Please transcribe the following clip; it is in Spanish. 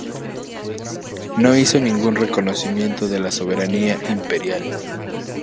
No hizo ningún reconocimiento de la soberanía imperial.